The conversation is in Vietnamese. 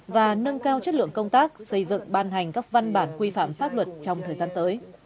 và nâng cao chất lượng công tác xây dựng ban hành các văn bản quy phạm pháp luật trong thời gian tới